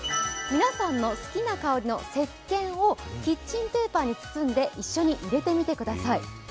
皆さんの好きな香りの石けんをキッチンペーパーに包んで一緒に入れてみてください。